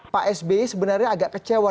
pak sby sebenarnya agak kecewa